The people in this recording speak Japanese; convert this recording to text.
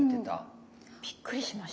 びっくりしました。